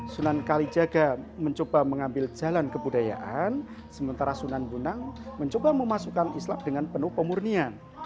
sunan kalijaga mencoba mengambil jalan kebudayaan sementara sunan bunang mencoba memasukkan islam dengan penuh pemurnian